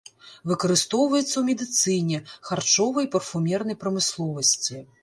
Выкарыстоўваецца ў медыцыне, харчовай і парфумернай прамысловасці.